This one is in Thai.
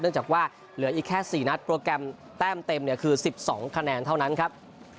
จากว่าเหลืออีกแค่๔นัดโปรแกรมแต้มเต็มเนี่ยคือ๑๒คะแนนเท่านั้นครับ